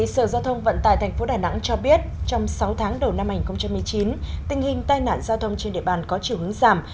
sở giao thông vận tài tp đà nẵng cho biết trong sáu tháng đầu năm hai nghìn một mươi chín tình hình tai nạn giao thông trên địa bàn có chiều hướng giảm